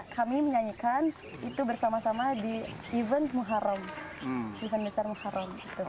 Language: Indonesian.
kami menyanyikan itu bersama sama di event muharram event besar muharram